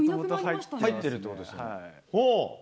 入ってるってことですね。